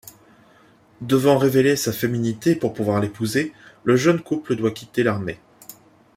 Devant révéler sa féminité pour pouvoir l'épouser, le jeune couple doit quitter l'armée.